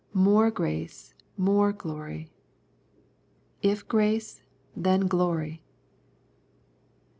" More Grace, more Glory." " If Grace, then Glory."